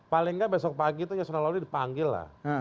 paling gak besok pagi itu yasun al aloh dipanggil lah